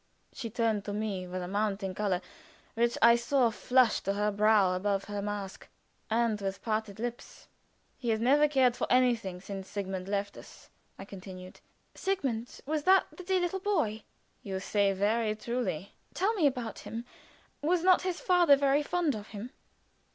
She turned to me with a mounting color, which I saw flush to her brow above her mask, and with parted lips. "He has never cared for anything since Sigmund left us," I continued. "Sigmund was that the dear little boy?" "You say very truly." "Tell me about him. Was not his father very fond of him?"